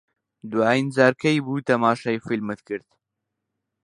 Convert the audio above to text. دوایین جار کەی بوو تەماشای فیلمت کرد؟